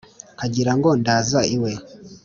Kagira ngo ndaza iwe,